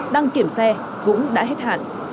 đăng kiểm xe cũng đã hết hạn